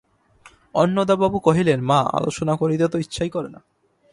অন্নদাবাবু কহিলেন, মা, আলোচনা করিতে তো ইচ্ছা করেই না।